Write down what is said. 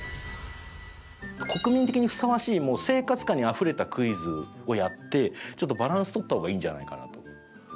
「国民的」にふさわしい生活感にあふれたクイズをやってちょっとバランス取った方がいいんじゃないかなと思いました。